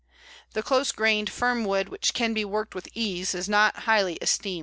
The close grained, firm wood, which can be worked with ease, is not highly esteemed.